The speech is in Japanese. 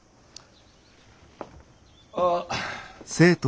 ああ。